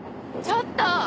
ちょっと！